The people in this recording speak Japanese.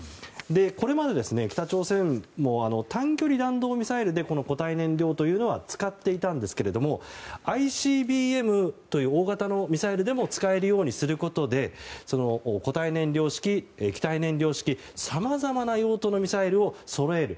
これまで、北朝鮮も短距離弾道ミサイルでこの固体燃料は使っていたんですがＩＣＢＭという大型のミサイルでも使えるようにすることで固体燃料式、気体燃料式とさまざまな用途のミサイルをそろえる。